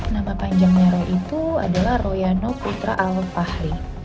nama panjangnya roh itu adalah royano putra al fahri